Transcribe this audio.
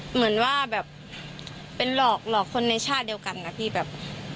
เหมือนว่าแบบเป็นหลอกคนในชาติเดียวกันนะพี่แบบ